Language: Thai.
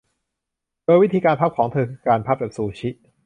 โดยวิธีการพับของเธอคือการพับแบบซูชิ